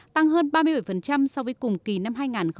tăng hơn ba mươi bảy so với cùng kỳ năm hai nghìn một mươi tám